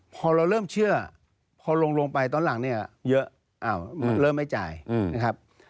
พอเราเริ่มเชื่อพอลงไปตอนหลังเนี่ยเยอะเริ่มไม่จ่ายนะครับ